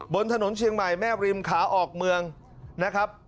บนถนนเชียงใหม่แม่ริมขาออกเมืองนะครับ